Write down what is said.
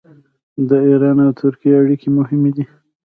د ایران او ترکیې اړیکې مهمې دي.